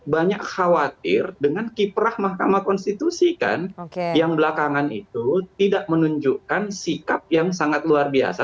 banyak khawatir dengan kiprah mahkamah konstitusi kan yang belakangan itu tidak menunjukkan sikap yang sangat luar biasa